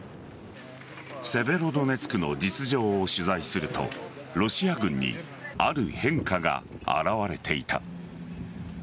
セベロドネツクの実情を取材するとロシア軍にある変化が現れていた。